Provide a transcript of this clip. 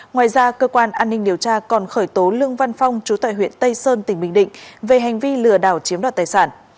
ngoài ra cơ quan an ninh điều tra còn khởi tố lương văn phong chú tại huyện tây sơn tỉnh bình định về hành vi lừa đảo chiếm đoạt tài sản